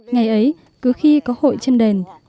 ngày ấy cứ khi có hội chân đền chúng tôi lại lên tập khắp nôm